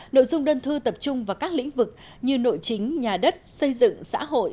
nội dung đơn thư tập trung vào các lĩnh vực như nội chính nhà đất xây dựng xã hội